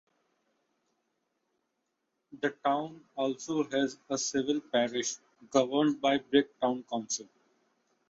The town also has a civil parish governed by Brigg Town Council.